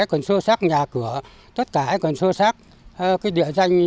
cơ sở sản xuất kinh doanh